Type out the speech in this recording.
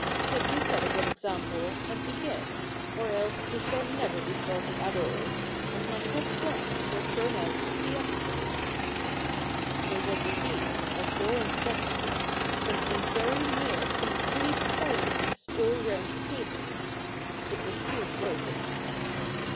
So do set a good example, and begin, or else we shall never be started at all ; and my pet plan will turn out a fiasco.' There was, indeed, as Laurence said this, something very near complete silence all round the table. It was soon broken.